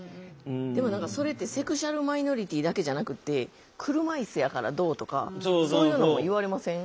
でも何かそれってセクシュアルマイノリティーだけじゃなくて車椅子やからどうとかそういうのも言われません？